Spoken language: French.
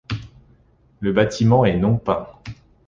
Le bâtiment est non peint.